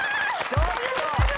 ちょっと！